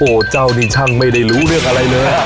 โอ้โหเจ้านี่ช่างไม่ได้รู้เรื่องอะไรเลย